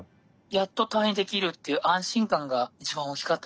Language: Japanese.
やっと退院できるっていう安心感が一番大きかったです。